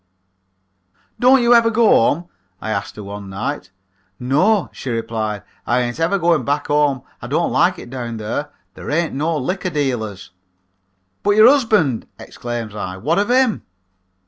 "'Don't you ever go home?' I asked her one night. "'No,' she replied, 'I ain't ever going back home. I don't like it down there. There ain't no liquor dealers.' "'But your husband,' exclaims I. 'What of him?'